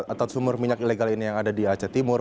atau sumur minyak ilegal ini yang ada di aceh timur